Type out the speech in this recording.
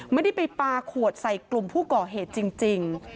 ไม่ได้ไปปลาขวดใส่กลุ่มผู้ก่อเหตุจริง